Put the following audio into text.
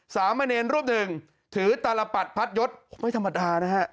สามเณรรูปหนึ่งถือตาลปัดพัดยศไม่ธรรมดานะฮะ